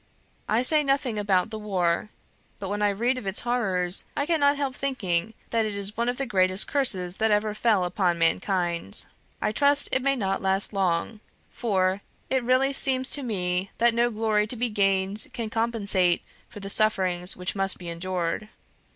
"I say nothing about the war; but when I read of its horrors, I cannot help thinking that it is one of the greatest curses that ever fell upon mankind. I trust it may not last long, for it really seems to me that no glory to be gained can compensate for the sufferings which must be endured.